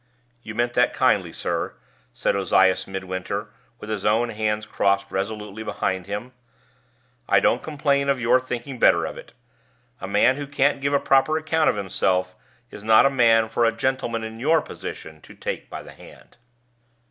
"You meant that kindly, sir," said Ozias Midwinter, with his own hands crossed resolutely behind him. "I don't complain of your thinking better of it. A man who can't give a proper account of himself is not a man for a gentleman in your position to take by the hand."